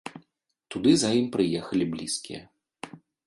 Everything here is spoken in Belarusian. Туды за ім прыехалі блізкія.